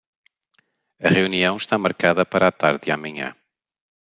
A reunião está marcada para a tarde de amanhã.